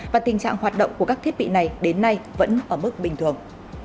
và tình trạng hoạt động của các thiết bị này đến nay vẫn ở mức bình thường